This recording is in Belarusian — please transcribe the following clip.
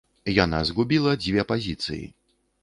Яна згубіла дзве пазіцыі.